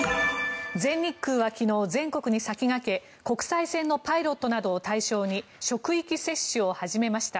全日空は昨日、全国に先駆け国際線のパイロットなどを対象に職域接種を始めました。